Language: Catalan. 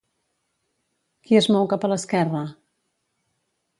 Qui es mou cap a l'esquerra?